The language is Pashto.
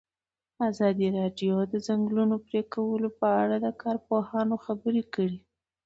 ازادي راډیو د د ځنګلونو پرېکول په اړه د کارپوهانو خبرې خپرې کړي.